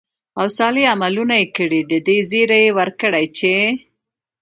او صالح عملونه ئې كړي، د دې زېرى وركړه چې: